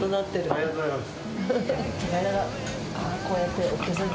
ありがとうございます。